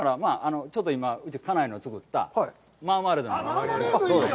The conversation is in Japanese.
ちょっと今、うち、家内の作った、マーマレードが。